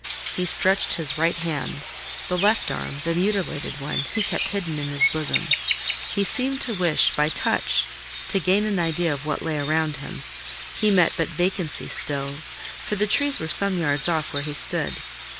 He stretched his right hand (the left arm, the mutilated one, he kept hidden in his bosom); he seemed to wish by touch to gain an idea of what lay around him: he met but vacancy still; for the trees were some yards off where he stood.